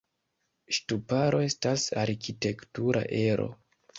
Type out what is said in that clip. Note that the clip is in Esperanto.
Ŝtuparo estas arkitektura ero.